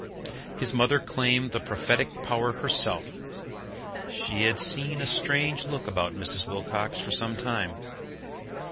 His mother claimed the prophetic power herself she had seen a strange look about Mrs. Wilcox for some time.